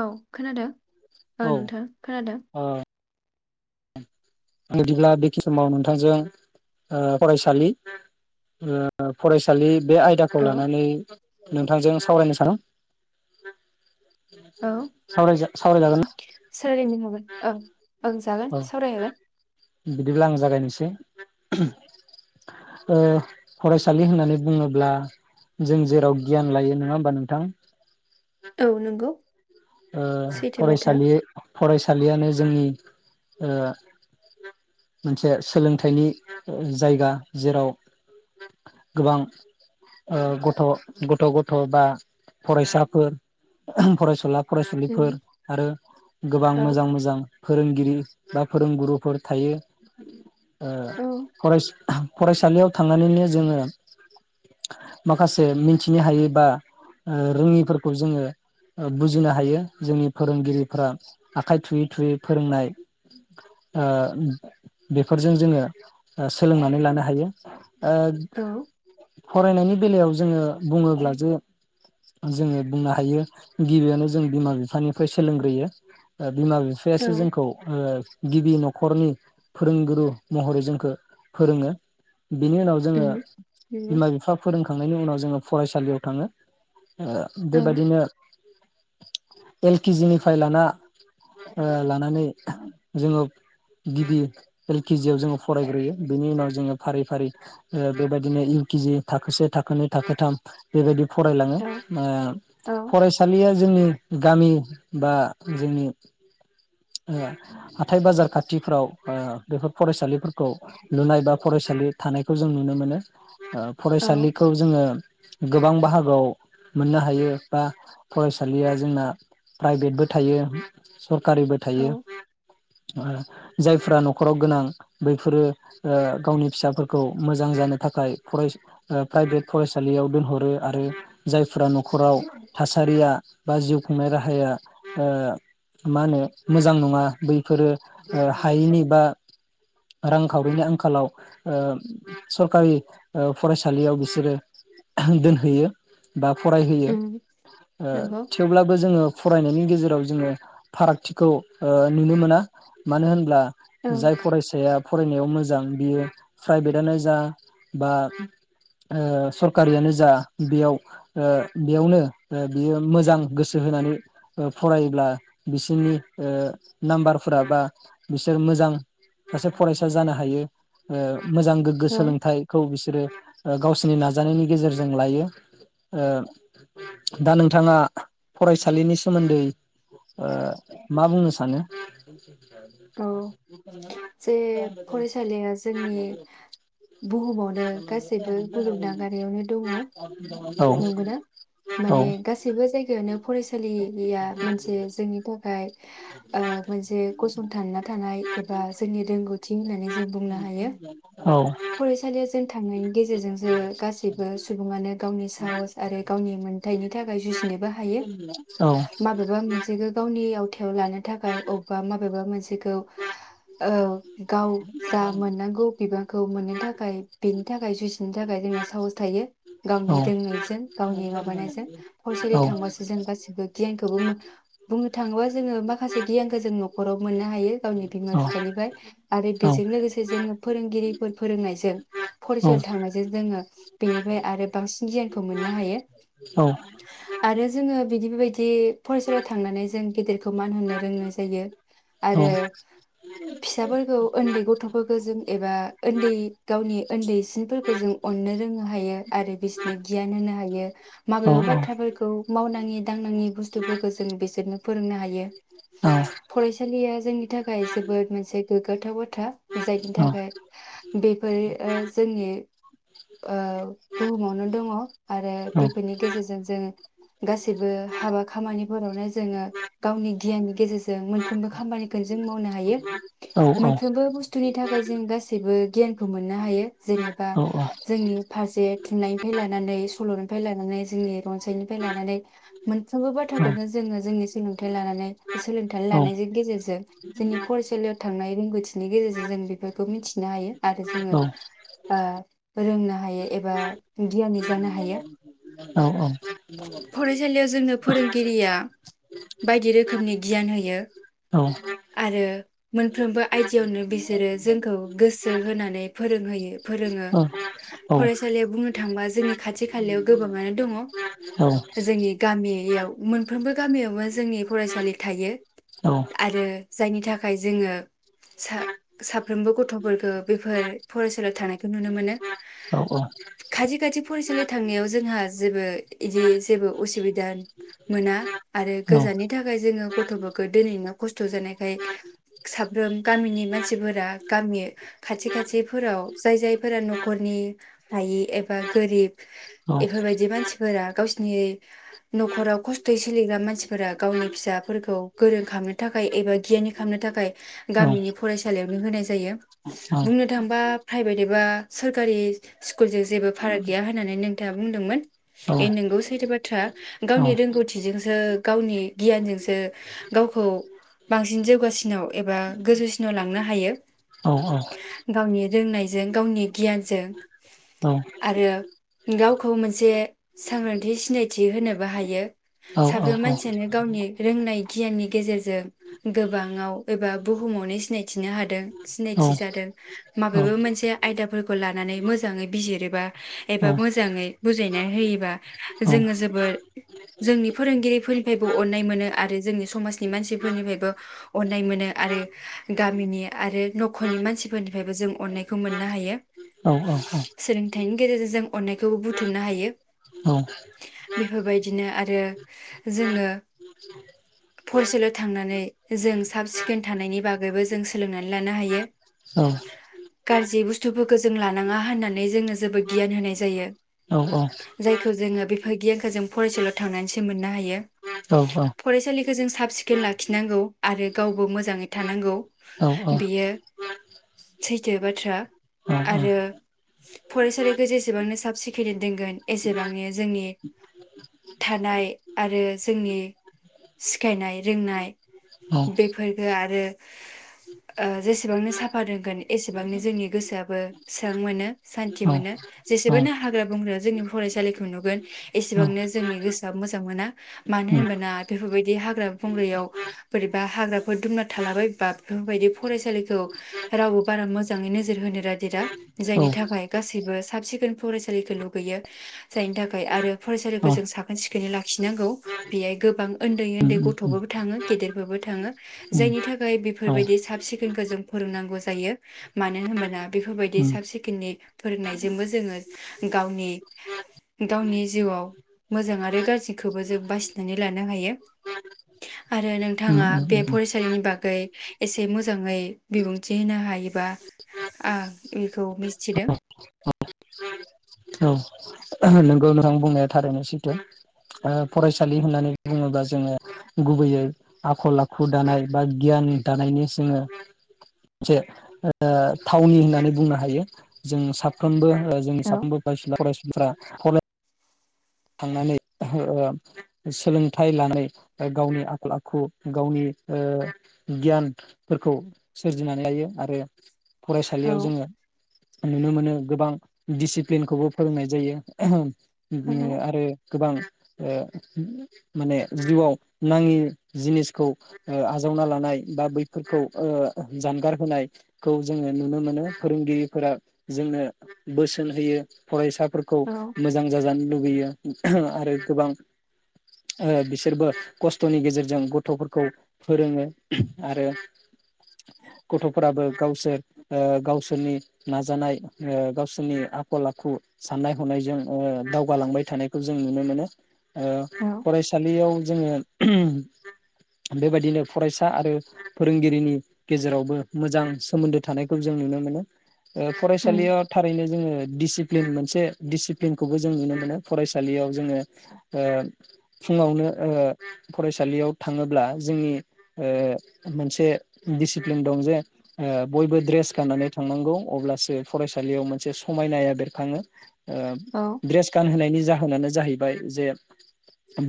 औ खोनादो। औ नोंथां खोनादो। ओ बिदिब्ला बेखिनि समाव नोंथांजों ओ फरायसालि ओ फरायसालि बे आयदाखौ औ लानानै नोंथांजों सा सावरायनो सा औौ [unintelligible] सावराय जा सावराय जागोनना? सावरायनो हागोन औ ओं जागोन अ सावरायजागोन बिदिब्ला आं जागायनो सै। ओ फरायसालि होननानै बुङोब्ला जों जेराव गियान लायो नङा होमबा नोंथां। औ नोंगौ। ओ फरायसालि फरायसालियानो जोंनि ओ मोनसे सोलोंथाइनि जायगा जेराव गोबां ओ गथ' गथ' गथ' बा फरायसाफोर फरायसुला उम फरायसुलिफोर आरो गोबां औ मोजां मोजां फोरोंगिरि बा फोरोंगुरुफोर थायो। ओ औ फरायसा फरायसालियाव थांनानैनो जोङो माखासे मिथिनो हायै बा ओ रोङिफोरखौ जोङो बुजिनो हा हायो जोंनि फोरोंगिरिफोरा आखाइ थुयै थुयै फोरोंनाय ओ बेफोरजों जोङो ओ सोलोंनानै लानो हायो। ओ औ फरायनायनि बेलायाव जोङो बुङोब्ला जे जोङो बुंनो हायो गिबियावनो जों बिमा बिफानिफ्राय सोलोंग्रोयो ओ। बिमा बिफायासो औ जोंखौ ओ गिबि न'खर नखरनि फोरोंगुरु महरै जोंखौ फोरोङो। बेनि उनाव जोङो उम नंगौ बिमा बिफा फोरोंखांनायनि उनाव जोङो। फरायसालियाव थाङो। ओ बेबायदिनो। एल के जि निफ्राय लाना ओ लानानै जोङो गिबि एल केजियाव जोङो फरायग्रोयो बेनि उनाव जोङो फारि फारि ओ बेबायदिनो इउ के जि थाखोसे थाखोनै थाखोथाम बेबायदि फरायलाङो औ ओ औ फरायसालि जोंनि गामि बा जोंनि ओ हाथाय बाजार खाथिफ्राव ओ बेफोर फरायसालिफोरखौ लुनाय बा फरायसालि थानायखौ जों नुनो मोनो। ओ औ फरायसालिखौ जोङो। गोबां बाहागोआव मोननो हायो बा फरायसालिया जोंना प्राइभेटबो थायो सरकारिबो थायो। औ जायफ्रा न'खराव गोनां बैफोरो ओ गावनि फिसाफोरखौ मोजां जानो थाखाय फराय ओ प्राइभेट फरायसालियाव दोनहरो आरो जायफ्रा न'खराव थासारिया बा जिउ खुंनाय राहाया ओ मा होनो- मोजां नङा बैफोरो ओ हायैनि बा रांखावरिनि आंखालाव ओ सरखारि ओ फरायसालियाव बिसोरो दोनहैयो। बा फरायहोयो उम ओ नंगौ थेवब्लाबो जोङो फरायनायनि। गेजेराव जोङो फारागथि। खौ ओ नुनो मोना मानो होनब्ला- औ जाय फरायसाया फरायनायाव मोजां बियो प्राइभेटनो जा बा ओ सरखारियानो जा बेयाव ओ बेयावनो बियो मोजां गोसो होनानै ओ फरायोब्ला बिसोरनि। ओ नाम्बारफोरा बा बिसोर मोजां सासे फरायसा जानो हायो ओ। मोजां गोग्गो औ सोलोंथाइखौ बिसो सोरो ओ गावसिनि नाजानायनि गेजेरजों लायो ओ दा नोंथाङा फरायसालिनि सोमोन्दै ओ मा बुंनो सानो? औ जे फरायसालिया जोंनि बुहुमावनो गासैबो मुलुगनाङारियावनो दङ [inaudible] नंगौना? औ माने गासैबो जायगायावनो फरायसालि लिया मोनसे जोंनि थाखाय ओ मोनसे गसंथानना थानाय एबा जोंनि रोंगौथि होननानै जों बुंनो हायो औ फरायसालियाव जों थांनायनि गेजेरजोंसो गासैबो सुबुङानो गावनि सा साहस आरो गावनि मोनथाइनि थाखाय जुजिनोबो हायो। माबेबा मोनसेखौ गावनि आव थायाव लानो थाखाय अबबा माबेबा मोनसेखौ औ। गाव जा मोननांगौ बिबांखौ मोननो थाखाय बेनि थाखाय, जुजिनो थाखाय जोंना साहस थायो। औ गावनिथ नायजों गावनि माबानायजों, औ फरायसालि थांबासो जों गासिबो खिब गियानखौबो मो बुंनो थाङोबा जोङो माखासे गियानखौ जों न'खरावबो मोननो हायो। गावनि बिमा फिफानिफाय आरो औ बेजों लोगोसे जोङो फोरोंगिरिफोर फोरोंनायजों फरायसालि थांनायजों जोङो बेनिफ्राय आरो बांसिन गियानखौ मोननो हायो। औ। आरो जोङो बिदि बेबायदि फरायसालियाव थांनानै जों गेदेरखौ मान होनो रोंनाय जायो। आरो औ। फिसाफोरखौ उन्दै गथ'फोरखौ जों एबा उन्दै गावनि उन्दैसिनफोरखौ जों अननो रोंनो हायो आरो बिसि नै गियान होनो हायो। माबेबा बाथ्राफोरखौ मावनाङि दांनाङि बुस्थुफोरखौ जों बिसोरनो फोरोंनो हायो, औ फरायसालिया जोंनि थाखाय जोबोद मोनसे गोग्गाथाव बाथ्रा। जायनि थाखाय बेफोरो ओ जोंनि ओ बुहुमावनो दङ, आरो बेफोरनि गेजेरजों जों गासैबो हाबा खामानिफोरावनो जोङो गावनि गियाननि गेजेरजों मोनफ्रोमबो खामानिखौनो जों मावनो हायो। मोनफ्रोमबो बुस्थुनि थाखाय जों गासैबो गियानखौ मोननो हायो जेनेबा जोंनि फारसे थुनलाइ फाय लानानै सल'निफ्राय लानानै जोंनि रनसायनिफ्राय लानानै, मोनफ्रोमबो बाथ्राखौनो जोङो जोंनि सोलोंथाइ लानानै सोलोंथाइ लानायजों गेजेरजों जोंनि फरायसालियाव थांनाय रोंगौथिनि गेजेरजों जों बेफोरखौ मिथिनो हायो। आरो जोङो ओ रोंनो हायो एबा गियानि जानो हायो, फरायसालियाव जोंनो फोरोंगिरिया, बायदि रोखोमनि गियान होयो् आरो मोनफ्रोमबो आयदियावनो बिसोरो जोंखौ गोसो होनानै फोरोंहोयो फोरोङो। फरायसालियाव बुंनो थांबा जोंनि खाथि खालायाव गोबाङानो दङ, जोंनि गामियाव मोनफ्रोमबो गामियाव जोंनि फरायसालि थायो। आरो जायनि थाखाय जोङो सा-साफ्रोमबो गथ'फोरखो बेफोर फरायसालियाव थांनायखौ नुनो मोनो। खाथि खाथि फरायसालि थांनायाव जोंहा जेबो इदि जेबो उसुबिदा मोना, आरो गोजाननि थाखाय जोङो गथ'फोरखो दोनहैनो खस्थ' जानायखाय साफ्रोम गामिनि मानसिफोरा गामि खाथि खाथिफोराव जाय जायफोरा न'खरनि हायि, एबा गोरिब इफोरबायदि मानसिफोरा गावसिनि न'खराव खस्थ'यै सोलिग्रा मानसिफोरा गावनि फिसाफोरखौ गोरों खामनो थाखाय। एबा गियानि खामनो थाखाय गामिनि फरायसालियावनो होनाय जायो बुंनो थांबा प्राइभेट एबा सोरखारि स्कुलजों जेबो फाराग गैया होननानै नोंथाङा बुंदोंमोन। ए नोंगौ सैथो बाथ्रा गावनि रोंगौथिजोंसो गावनि गियानजोंसो गावखौ बांसिन जौगासिनाव एबा गोजौसिनाव लांनो हायो, गावनि रोंनायजों गावनि गियानजों। औ। आरो गावखौ मोनसे सांग्रांथि सिनायथि होनोबो हायो। साफ्रोम मानसियानो गावनि रोंनाय गियाननि गेजेरजों गोबाङाव एबा बुहुमावनो सिनायथिनो हादों। सिनायथि जादों। माबेबा मोनसे आयदाफोरखौ लानानै मोजां मोजाङै बिजिरोबा एबा मोजाङै बुजायनानै होयोबा जोङो जोबोद जोंनि फोरोंगिरिफोरनिफ्रायबो अननाय मोनो आरो जोंनि समाजनि मानसिफोरनिफ्रायबो अननाय मोनो आरो गामिनि आरो न'खरनि मानसिफोरनिफ्रायबो जों अननायखौ मोननो हायो। सोलोंथाइनि गेजेरजों अननायखौबो बुथुमनो हायो। औ बेफोरबायदिनो आरो जोङो फरायसालि थांनानै जों साब सिखोन थानायनि बागैबो जों सोलोंनानै लानो हायो, औ औ गाज्रि बुस्थुफोरखौ जों लानो थाङा होननानै जोंनो जेबोद गियान होनाय जायो। औ औ जायखौ जोङो बेफोर गियानखौ जों फरायसालियाव थांनानैसो मोननो हायो। फरायसालिखौ जों साब सिखोन लाखिनांगौ आरो गावबो मोजाङै थानांगौ बेयो सैथो बाथ्रा आरो फरायसालिखौ जेसेबांनो साब सिखोननो दोंगोन। एसेबांनो जोंनि थानाय आरो जोंनि सिखायनाय रोंनाय, औ बेफोरफोरबो आरो जेसेबांनो साफा दोंगोन एसेबांनो जोंनि गोसोआबो मोा मोनो सान्थि मोनो, औ जेसेबांानो हाग्रा बंग्राया जोंनि फरायसालिखौ नुगोन एसेबांनो जोंनि गोसोआ मोजां मोना मानो होनबाना बेफोरबायदि हाग्रा बंग्रायाव बोरैबा हाग्राफोर दुमना थालाबायबा बेफोरबायदि फरायसालिखौ रावबो बारा मोजाङै नोजोर होनो रादेरा। जायनि थाखाय गासैबो साब सिखोन फरायसालिखौ लुगैयो जायनि थाखाय आरो फरायसालिखौ जों साखोन सिखोनै। लाखिनांगौ बेहाय गोबां उन्दै उन्दै गथ'बोबो थाङो, गेदेरफोरबो थाङो। जायनि थाखाय बेफोरबायदि साब सिखोनखौ जों फोरोंनांगौ जायो, मानो होनबोना बेफोरबायदि थ फोरोंनायजोंबो जोङो गावनि गावनि जिउआव मोजां आरो गाज्रिखौबो जों बासिनानै लानो हायो, आरो नोंथाङा बे फरायसालिनि बागै एसे मोजाङै बिबुंथि होनो हायोबा बेखौ मिथिदों औ नोंगौ नोंथां बुंनाया थारैनो सैथ' फरायसालि होननानै बुङोब्ला जोङो, गुबैयै आखल आखु दानाय बा गियान दानायनि जोङो। मोनसे थावनि होननानै बुंनो हायो जों साफ्रोमबो जोंनि औ साफ्रोमबो फरायसुला फरायसुलिफ्रा [inaudible] थांनानै सोलोंथाइ लानाय गावनि आखल आखु गावनि ओ गियानफोरखौ सोरजिनानै लायो आरो औ फरायसालियाव जोङो नुनो मोनो गोबां दिडसिप्लिनखौबो फोरोंनाय जायो। औ उम आरो गोबां ओ माने जिउआव नाङि जिनिसखौ आजावना लानाय बा बैफोरखौ जानगार होनायखौ जोङो नुनो मोनो फोरोंगिरिफोरा जोंनो बोसोन होयो फरायसा फोरखौ औ मोजां जाजानो लुगैयो आरो गोबां बिसोरबो खस्थ'नि गेजेरजों गथ'फोरखौ फोरोङो आरो गथ'फोराबो गावसोर गावसोरनि नाजानाय गावसोरनि आखल आखु साननाय हनायजों जौगालांबाय थानायखौ जों नुनो मोनो। ओ औ फरायसालियाव जोङो बेबायदिनो फरायसा आरो फोरोंगिरिनि गेजेरावबो मोजां सोमोन्दो थानायखौ जों नुनो मोनो। उम फरायसालियाव थारैनो जोङो दिसि मोनसे दिसिप्लिनखौबो जों नुनो मोनो। फरायसालियाव जोङो ओ फुङावनो फरायसालियाव थाङोब्ला जोंनि ओ मोनसे डिसिप्लिन दं जे बयबो ड्रेस गाननानै थांनांगौ अब्लासो फरायसालियाव मोनसे समायनाया बेरखाङो। ओ औ ड्रेस गानहोनायनि जाहोनानो जाहैबाय जे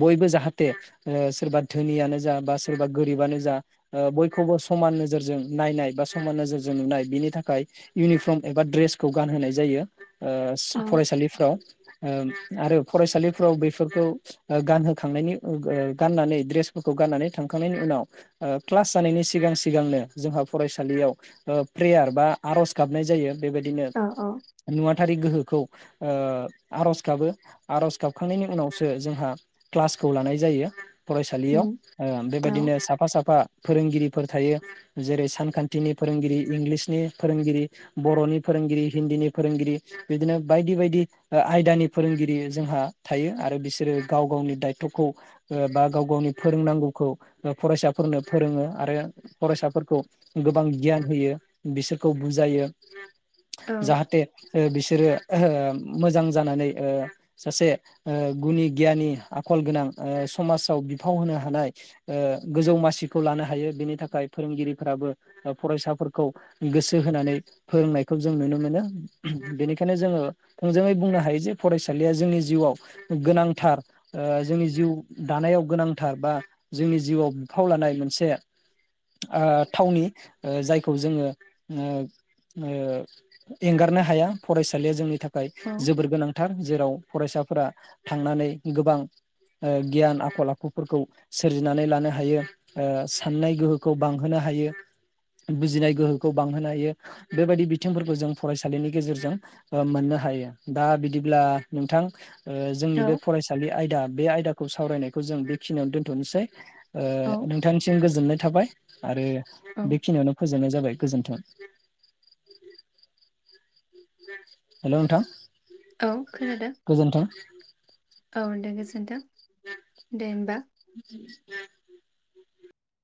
बयबो जाहाथे ओ सोरबा धोनियानो जा बा सोरबा गोरिबानो जा बयखौबो समान नोजोरजों नायनाय बा समान नोजोरजों नुनाय बिनि थाखाय इउनिफर्म एबा ड्रेसखौ गानहोनाय जायो। औ फरायसालिफ्राव आरो फरायसालिफ्राव बेफोरखौ गानहोखांनायनि गाननानै ड्रेसफोरखौ गाननानै थांखांनायनि उनाव क्लास जानायनि सिगां सिगांनो जोंहा फरायसालियाव प्रेयार बा आर'ज गाबनाय जायो। बेबायदिनो औ औ नुवा नुवाथारि गोहोखौ ओ आर'ज गाबो आर'ज गाबखांनायनि उनावसो जोंहा क्लासखौ लानाय जायो। फरायसालियाव उम ओ औ बेबायदिनो साफा साफा फोरोंगिरि फोर थायो जेरै सानखान्थिनि फोरोंगिरि इंलिसनि फोरोंगिरि बर'नि फोरोंगिरि हिन्दीनि फोरोंगिरि बिदिनो बायदि बायदि आयदानि फोरोंगिरि जोंहा थायो आरो बिसोरो गाव गावनि दायथ'खौ बा गाव गावनि फोरोंनांगौखौ फरायसाफोरनो फोरोङो आरो फरायसाफोरखौ गोबां गियान होयो बिसोरखौ बुजायो। औ जाहाथे बिसोरो ओहोओम मोजां जानानै ओ सासे ओ गुनि गियानि आखल गोनां ओ समाजाव बिफाव होनो हानाय ओ गोजौ मासिखौ लानो हायो बेनि थाखाय फोरोंगिरिफोराबो फरायसाफोरखौ गोसो होनानै फोरोंनायखौ जों नुनो मोनो बेनिखायनो जोङो थोंजोङै बुंनो हायो जे फरायसालिया जोंनि जिउआव गोनांथार ओ जोंनि जिउ दानायाव गोनांथार बा जोंनि जिउआव बिफाव लानाय मोनसे ओ थावनि ओ जायखौ जोङो ओ ओ एंगारनो हाया फरायसालिया जोंनि थाखाय थाखाय औ जोबोर गोनांथार जेराव फरायसाफोरा थांनानै गोबां ओ गियान आखल आखुफोरखौ सोरजिनानै लानो हायो ओ साननाय गोहोखौ बांहोनो हायो बुजिनाय गोहोखौ बांहोनो हायो बेबायदि बिथिंफोरखौ जों फरायसालिनि गेजेरजों ओ मोननो हायो हायो दा बिदिब्ला नोंथां ओ जोंनि औ बे फरायसालि आयदा बे आयदाखौ सावरायनायखौ जों बेखिनियावनो दोनथ'नोसै ओ नोंथांनिसिम गोजोननाय थाबाय आरो औ बेखिनियावनो फोजोबनाय जाबाय। गोजोन्थों [unintelligible] हेलौ नोंथां औ खोनादों गोजोनथों। औ दे गोजोनथों [inaudible]